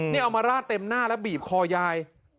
นี่เอามาราดเต็มหน้าแล้วบีบคอยาย